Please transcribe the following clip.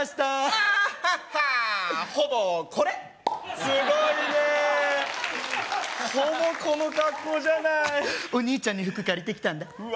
アーッハハほぼこれすごいねほぼこの格好じゃないお兄ちゃんに服借りてきたんだうわ